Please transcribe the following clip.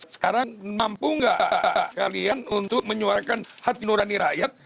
sekarang mampu nggak kalian untuk menyuarakan hati nurani rakyat